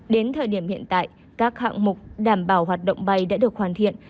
đến thời điểm hiện tại các hạng mục đảm bảo hoạt động bay đã được hoàn thiện